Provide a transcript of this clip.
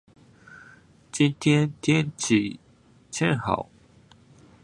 今天天气真好。